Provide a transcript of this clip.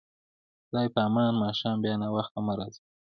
خدای په امان، ماښام بیا ناوخته مه راځه.